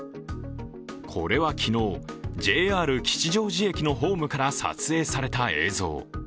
これは昨日、ＪＲ吉祥寺駅のホームから撮影された映像。